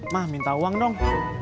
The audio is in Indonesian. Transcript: mah minta uang dong